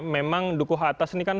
memang dukuh atas ini kan